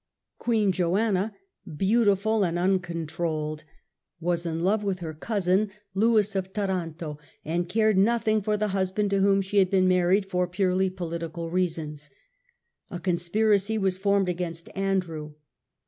Queen Joanna, beautiful and uncontrolled, ITALY, 1313 1378 91 was in love with her cousin Lewis of Taranto, and cared nothing for the husband to whom she had been married for purely political reasons. A conspiracy was formed against Andrew.